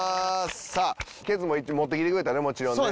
さあケツも持ってきてくれたねもちろんね。